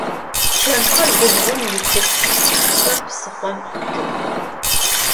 Çemxer gubğom yitıx, şşıxer psıxhom 'utıx.